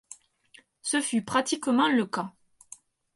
Ce fut pratiquement le cas.